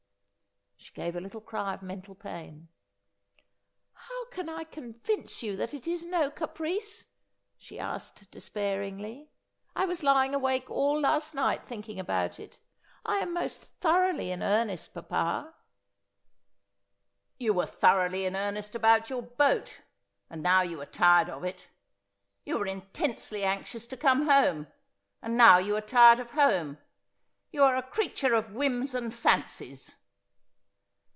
She gave a little cry of mental pain. ' How can I convince you that it is no caprice ?' she asked despairingly. ' I was lying awake all last night thinking about it. I am most thoroughly in earnest, papa.' ' You were thoroughly in earnest about your boat ; and now you are tired of it. You were intensely anxious to come home ; and now you are tired of home. You are a creature of whims and fancies.'